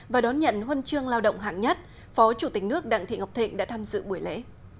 và đón nhận huân chương lao động hạng nhất phó chủ tịch nước đặng thị ngọc thịnh đã tham dự buổi lễ